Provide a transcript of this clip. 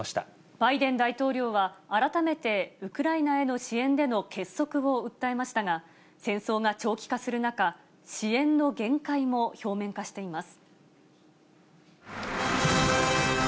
バイデン大統領は、改めてウクライナへの支援での結束を訴えましたが、戦争が長期化する中、支援の限界も表面化しています。